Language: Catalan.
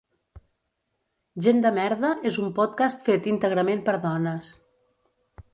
Gent de merda és un podcast fet íntegrament per dones.